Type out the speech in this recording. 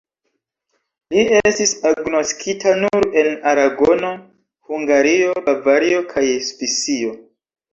Li estis agnoskita nur en Aragono, Hungario, Bavario kaj Svisio.